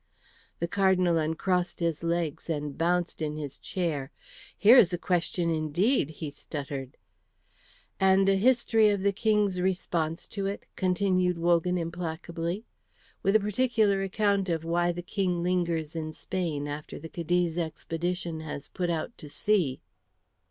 The Cardinal uncrossed his legs and bounced in his chair. "Here is a question indeed!" he stuttered. "And a history of the King's response to it," continued Wogan, implacably, "with a particular account of why the King lingers in Spain after the Cadiz expedition has put out to sea."